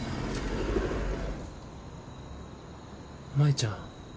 舞ちゃん。